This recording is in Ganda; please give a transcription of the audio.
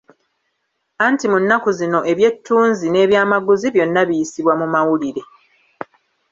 Anti mu nnaku zino ebyettunzi n'ebyamaguzi, byonna biyisibwa mu mawulire.